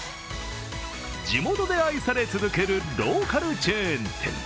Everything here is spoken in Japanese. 地元で愛され続けるローカルチェーン店。